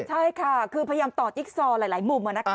ใช่ค่ะคือพยายามต่อจิ๊กซอหลายมุม